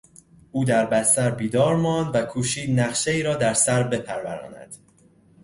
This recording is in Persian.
او در بستر بیدار ماند و کوشید نقشهای را در سر بپروراند.